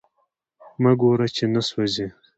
مه ګوره چی نه سوازی